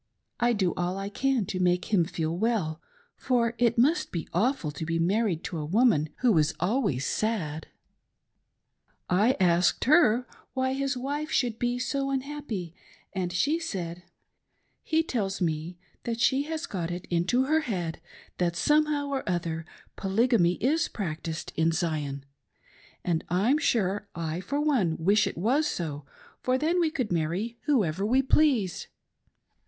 I do all I can to make him feel well, for it must be awful to be married to a woman who is always sad." I asked her why his wife should be so unhappy, and she said :" He tells me that' she has got it into her head that somehow or other Polygamy is practiced in Zion ; and I'm sm e I, for one, wish it was so, for then we could maiTy whoever wre pleased."